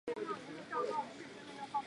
这些炮支的射程为。